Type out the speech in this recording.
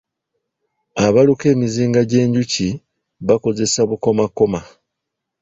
Abaluka emizinga gy'enjuki bakozesa bukomakoma.